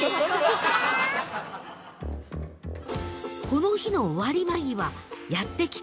［この日の終わり間際やって来たのは］